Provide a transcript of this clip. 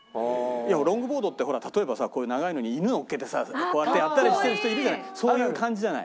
ロングボードってほら例えばさこういう長いのに犬乗っけてさこうやってやったりしてる人いるじゃない。